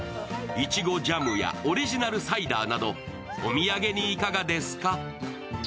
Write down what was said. いちごジャムやオリジナルサイダーなどお土産にいかがですか？